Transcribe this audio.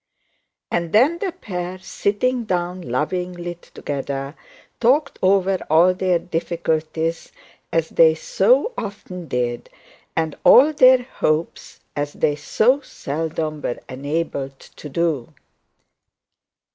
And then the pair sitting down lovingly together, talked over all their difficulties, as they so often did, and all their hopes, as they so seldom were able to do.